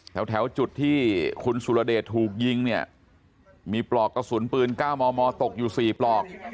แถวแถวจุดที่คุณสุรเดชถูกยิงเนี้ยมีปลอกกระสุนปืนเก้าหมอมอตกอยู่สี่ปลอก